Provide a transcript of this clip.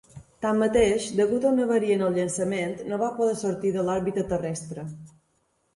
Tanmateix, degut a una avaria en el llançament, no va poder sortir de l'òrbita terrestre.